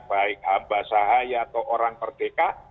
baik ambasahaya atau orang perdeka